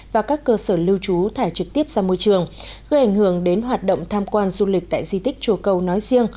và các cơ sở lưu trú thải trực tiếp ra môi trường gây ảnh hưởng đến hoạt động tham quan du lịch tại di tích chùa cầu nói riêng